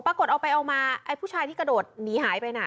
ปรากฏเอาไปเอามาผู้ชายที่กระโดดหนีหายไปนะ